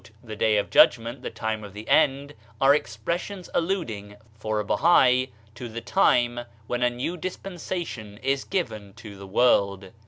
The Day of Judgment, the Time of the End, are expressions alluding, for a Bahai, to the time when a nnv Dispensation is given to die vrorld.